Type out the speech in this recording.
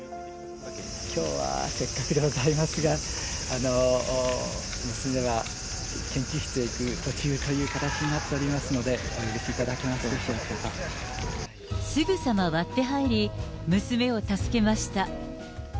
きょうはせっかくでございますが、娘は研究室へ行く途中という形になっておりますので、すぐさま割って入り、娘を助けました。